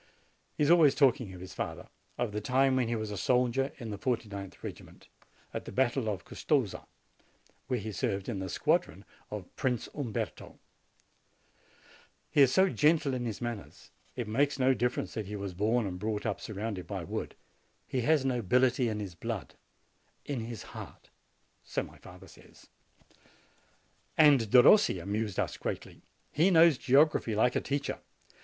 He is always talking of his father, of the time when he was a soldier in the 49th regiment, at the battle of Custoza, where he served in the squadron of Prince Umberto. And he is so gentle in his manners! It makes no difference that he was born and brought up surrounded by wood: he has nobility in his blood, in his heart, so my father says. And Derossi amused us greatly. He knows geog raphy like a teacher.